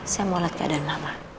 saya mau lihat keadaan lama